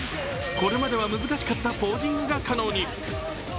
これまでは難しかったポージングが可能に。